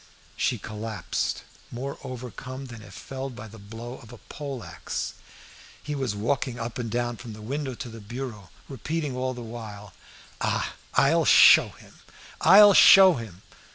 She collapsed, more overcome than if felled by the blow of a pole axe. He was walking up and down from the window to the bureau, repeating all the while "Ah! I'll show him! I'll show him!"